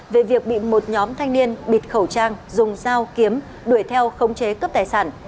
về việc bị một nhóm thanh niên bịt khẩu trang dùng dao kiếm đuổi theo khống chế cướp tài sản